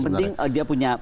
yang penting dia punya